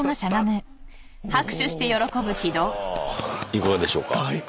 いかがでしょうか？